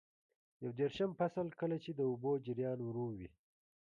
یو دېرشم فصل: کله چې د اوبو جریان ورو وي.